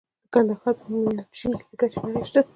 د کندهار په میانشین کې د ګچ نښې شته.